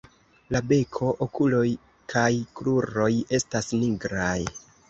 La beko, okuloj kaj kruroj estas nigraj.